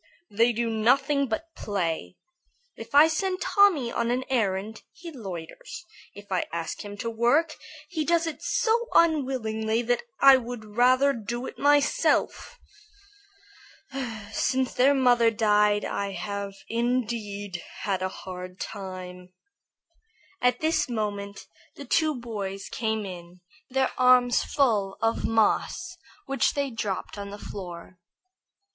"They do nothing but play. If I send Tommy on an errand, he loiters. If I ask him to work, he does it so unwillingly that I would rather do it myself. Since their mother died I have indeed had a hard time." At this moment the two boys came in, their arms full of moss which they dropped on the floor.